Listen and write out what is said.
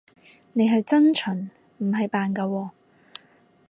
你係真蠢，唔係扮㗎喎